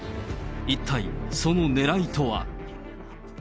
一体、そのねらいとは。